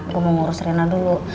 gue mau ngurus rena dulu